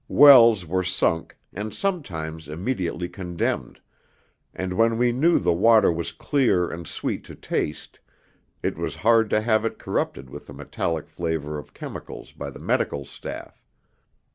Wells were sunk, and sometimes immediately condemned, and when we knew the water was clear and sweet to taste, it was hard to have it corrupted with the metallic flavour of chemicals by the medical staff.